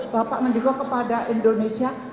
bapak mendiko kepada indonesia